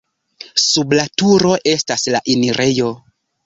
Sub la turo estas la enirejo.